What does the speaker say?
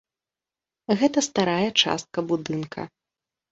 Гэта старая частка будынка.